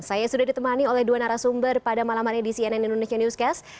saya sudah ditemani oleh dua narasumber pada malam hari di cnn indonesia newscast